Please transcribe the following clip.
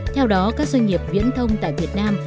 theo đó các doanh nghiệp viễn thông tại việt nam